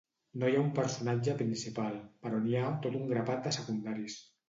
No hi ha un personatge principal, però n'hi ha tot un grapat de secundaris.